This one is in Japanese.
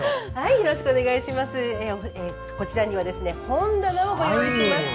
こちらには本棚をご用意しました。